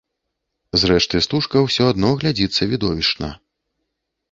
Зрэшты, стужка ўсё адно глядзіцца відовішчна.